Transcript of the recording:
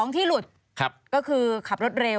ที่หลุดก็คือขับรถเร็ว